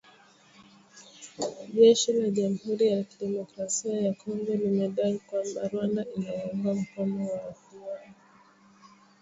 Jeshi la jamuhuri ya kidemokrasia ya kongo limedai kwamba Rwanda inawaunga mkono waasi hao